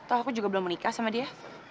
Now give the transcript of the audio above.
atau aku juga belum menikah sama dia